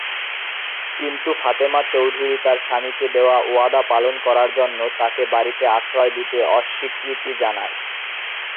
কিন্তু ফাতেমা চৌধুরী তার স্বামীকে দেওয়া ওয়াদা পালন করার জন্য তাকে বাড়িতে আশ্রয় দিতে অস্বীকৃতি জানায়।